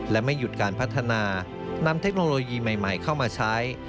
และไม่หยุดการพัฒนานำเทคโนโลยีใหม่เข้ามาใช้